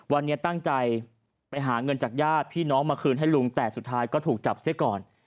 วันนี้ตั้งใจไปหาเงินจากญาติพี่น้องมาคืนให้ลุงแต่สุดท้ายก็ถูกจับเสียก่อน